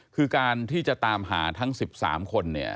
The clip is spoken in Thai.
คือการที่จะตามหาทั้ง๑๓คน